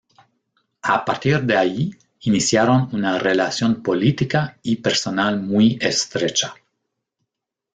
A partir de allí iniciaron una relación política y personal muy estrecha.